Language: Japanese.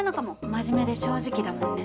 真面目で正直だもんね。